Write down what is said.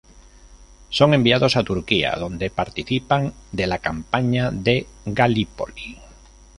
Son enviados a Turquía, donde participan de la campaña de Galípoli.